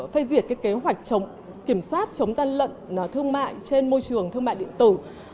phê duyệt kế hoạch kiểm soát chống gian lận thương mại trên môi trường thương mại điện tử